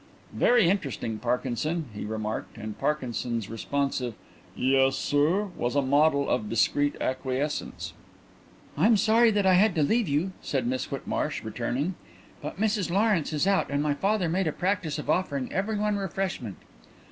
"Very interesting, Parkinson," he remarked, and Parkinson's responsive "Yes, sir" was a model of discreet acquiescence. "I am sorry that I had to leave you," said Miss Whitmarsh, returning, "but Mrs Lawrence is out and my father made a practice of offering everyone refreshment."